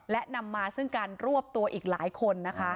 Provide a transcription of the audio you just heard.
และนำมาซึ่งการรวบตัวอีกหลายคนนะคะ